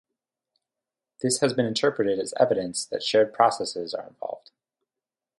This has been interpreted as evidence that shared processes are involved.